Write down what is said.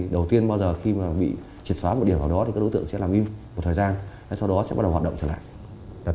đầu tiên khi bị trịt xóa một điểm vào đó đối tượng sẽ làm im một thời gian sau đó sẽ bắt đầu hoạt động trở lại